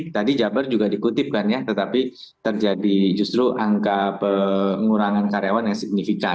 tadi jabar juga dikutipkan ya tetapi terjadi justru angka pengurangan karyawan yang signifikan